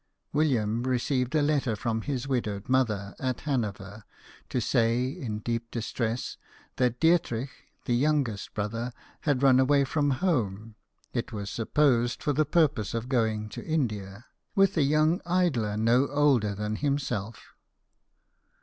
William received a letter from his widowed mother at Hanover to say, in deep distress, that Dietrich, the youngest brother, had run away from home, it was sup posed for the purpose of going to India, " with WILLIAM HERSCHEL, BANDSMAN. 103 a young idler no older than himself."